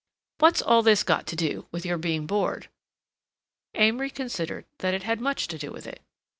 "What's all this got to do with your being bored?" Amory considered that it had much to do with it.